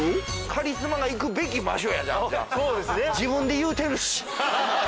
カリスマが行くべき場所や自分で言うてるし！